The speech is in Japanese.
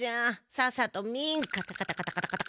さっさと見んカタカタカタカタ。